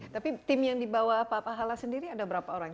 tapi tim yang dibawa pak pahala sendiri ada berapa orang